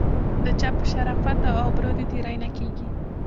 د چا په شرافت او ابرو دې تېری نه کیږي.